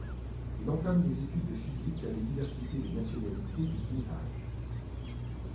Il entame des études de physique à l'université des nationalités du Qinghai.